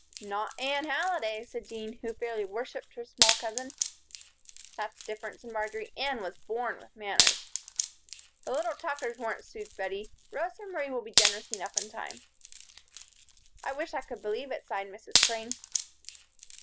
"Not Anne Halliday," said Jean, who fairly worshiped her small cousin. "That's different," said Marjory. "Anne was born with manners." "The little Tuckers weren't," soothed Bettie. "Rosa Marie will be generous enough in time." "I wish I could believe it," sighed Mrs. Crane.